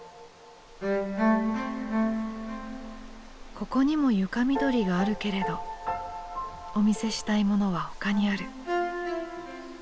ここにも床みどりがあるけれどお見せしたいものはほかにある。